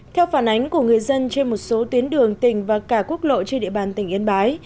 theo phản ánh của người dân trên một số tuyến đường tỉnh và cả quốc lộ trên địa bàn tỉnh yên bái